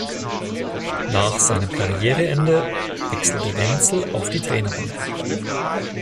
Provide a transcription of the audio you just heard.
Nach seinem Karriereende wechselte Wenzel auf die Trainerbank.